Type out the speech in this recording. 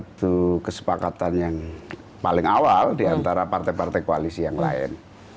kita punya satu kesepakatan yang paling awal diantara partai partai koalisi yang lain